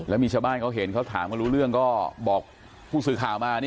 แล้วมีชาวบ้านเขาเห็นเขาถามก็รู้เรื่องก็บอกผู้สื่อข่าวมา